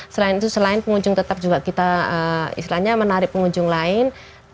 selain itu selain pengunjung tetap juga kita istilahnya menarik pengunjung lain